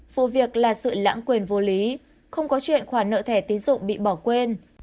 vụ việc là sự lãng quyền vô lý không có chuyện khoản nợ thẻ tín dụng bị bỏ quên